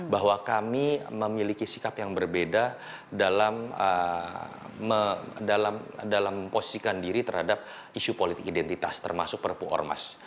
bahwa kami memiliki sikap yang berbeda dalam memposisikan diri terhadap isu politik identitas termasuk perpu ormas